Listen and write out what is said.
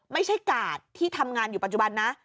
กาดที่ทำงานอยู่ปัจจุบันนะ